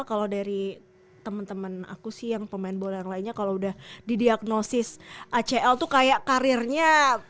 kalau dari temen temen aku sih yang pemain bola yang lainnya kalau udah didiagnosis acl tuh kayak karirnya